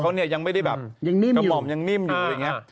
เขาเนี่ยยังไม่ได้แบบกระหม่อมยังนิ่มอยู่อะไรอย่างนี้